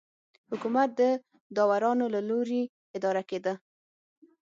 حکومت د داورانو له لوري اداره کېده.